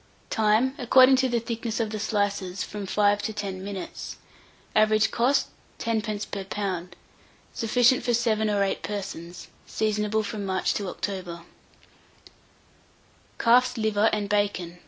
Time. According to the thickness of the slices, from 5 to 10 minutes. Average cost, 10d. per lb. Sufficient for 7 or 8 persons. Seasonable from March to October. CALF'S LIVER AND BACON.